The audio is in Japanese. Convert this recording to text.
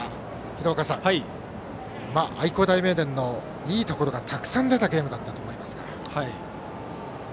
廣岡さん、愛工大名電のいいところがたくさん出たゲームだったと思いますが。